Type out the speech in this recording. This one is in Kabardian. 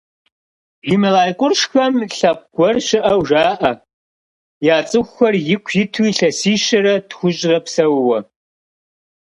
Гималай къуршхэм лъэпкъ гуэр щыӏэу жаӏэ, я цӏыхухэр ику иту илъэсищэрэ тхущӏрэ псэууэ.